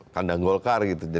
kandang golkar gitu